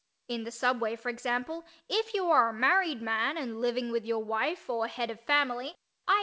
In the subway, for example, if you are a married man and living with your wife, or head of a family, i.